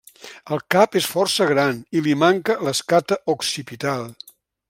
El cap és força gran i li manca l'escata occipital.